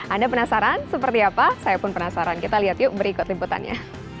anda penasaran seperti apa saya pun penasaran kita lihat yuk berikut liputannya